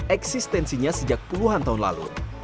eksistensinya sejak puluhan tahun lalu